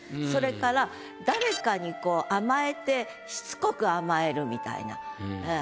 それから誰かにこう甘えてしつこく甘えるみたいな。